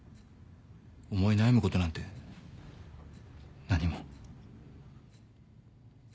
思い悩むことなんて何も。